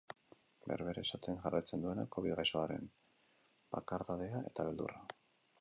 Berbera izaten jarraitzen duena, covid gaisoaren bakardadea eta beldurra.